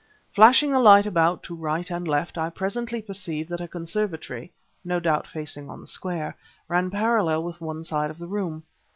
Flashing the light about to right and left, I presently perceived that a conservatory (no doubt facing on the square) ran parallel with one side of the room.